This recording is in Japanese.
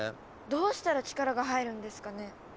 どうしたら力が入るんですかね？